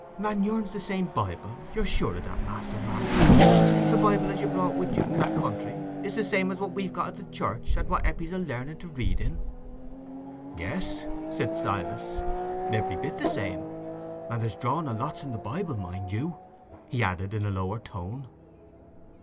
"And yourn's the same Bible, you're sure o' that, Master Marner—the Bible as you brought wi' you from that country—it's the same as what they've got at church, and what Eppie's a learning to read in?" "Yes," said Silas, "every bit the same; and there's drawing o' lots in the Bible, mind you," he added in a lower tone.